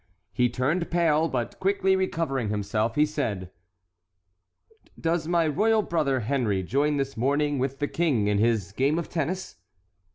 He turned pale, but quickly recovering himself, he said: "Does my royal brother Henry join this morning with the King in his game of tennis?"